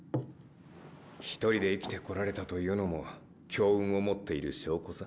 一人で生きてこられたというのも強運を持っている証拠さ。